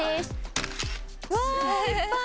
うわー、いっぱい。